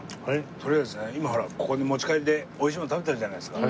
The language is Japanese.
とりあえずね今ほらここに持ち帰りでおいしいもの食べたじゃないですか。